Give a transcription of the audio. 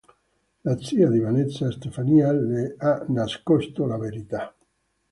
La zia di Vanessa, Stefania le ha nascosto la verità.